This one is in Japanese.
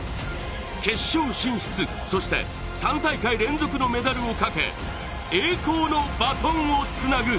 決勝進出、そして３大会連続のメダルをかけ、栄光のバトンをつなぐ。